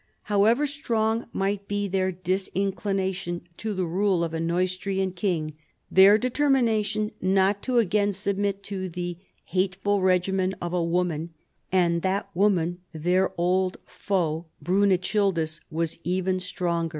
However strong might be their disinclination to the rule of a Neustrian King, their determination not to submit again to " the hate ful regimen of a woman," and that woman their old foe Brunechildis, was even stronger.